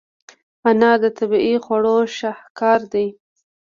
انار د طبیعي خواړو شاهکار دی.